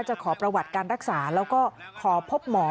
ขอประวัติการรักษาแล้วก็ขอพบหมอ